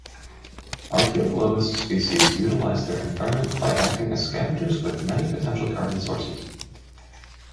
"Archaeoglobus" species utilize their environment by acting as scavengers with many potential carbon sources.